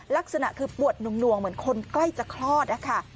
ลักษณะคือปวดหน่วงเหมือนคนใกล้จะคลอดนะคะ